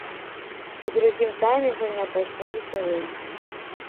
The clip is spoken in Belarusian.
У другім тайме гульня пайшла весялей.